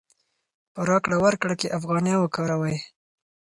په راکړه ورکړه کې افغانۍ وکاروئ.